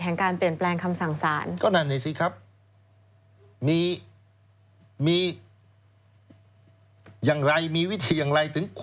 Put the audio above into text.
แห่งการเปลี่ยนแปลงคำสั่งสาร